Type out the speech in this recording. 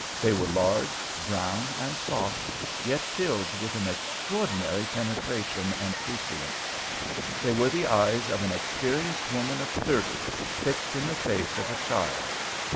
They were large, brown, and soft, yet filled with an extraordinary penetration and prescience. They were the eyes of an experienced woman of thirty fixed in the face of a child.